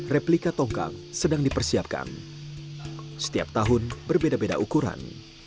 replika tongkang sedang dipersiapkan setiap tahun berbeda beda ukuran